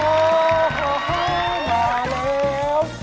โอ้โฮมาเร็ว